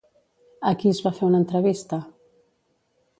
A qui es va fer una entrevista?